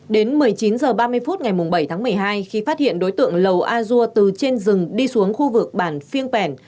đến một mươi chín h ba mươi phút ngày bảy tháng một mươi hai khi phát hiện đối tượng lầu a dua từ trên rừng đi xuống khu vực bản phiêng pèn